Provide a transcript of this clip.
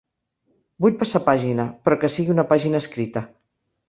Vull passar pàgina, però que sigui una pàgina escrita.